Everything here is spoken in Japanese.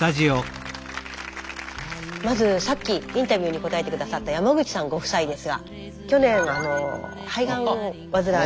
まずさっきインタビューに答えて下さった山口さんご夫妻ですがああそう。